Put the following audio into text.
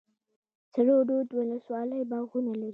سره رود ولسوالۍ باغونه لري؟